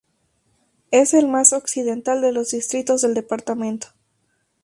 Es el más occidental de los distritos del departamento.